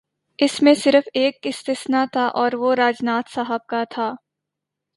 اس میں صرف ایک استثنا تھا اور وہ راج ناتھ صاحب کا تھا۔